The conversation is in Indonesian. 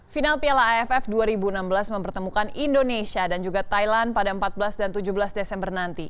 final piala aff dua ribu enam belas mempertemukan indonesia dan juga thailand pada empat belas dan tujuh belas desember nanti